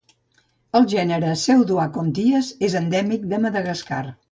El gènere 'Pseudoacontias' és endèmic de Madagascar.